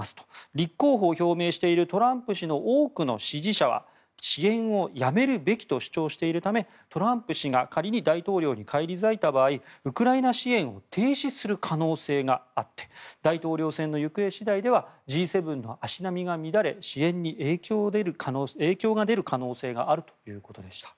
立候補を表明しているトランプ氏の多くの支持者は支援をやめるべきと主張しているためトランプ氏が仮に大統領に返り咲いた場合ウクライナ支援を停止する可能性があって大統領選の行方次第ではＧ７の足並みが乱れ支援に影響が出る可能性があるということでした。